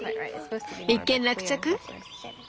一件落着？